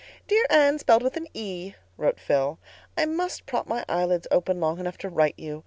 "Dear Anne—spelled—with—an—E," wrote Phil, "I must prop my eyelids open long enough to write you.